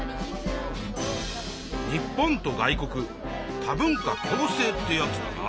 日本と外国多文化共生ってやつだな。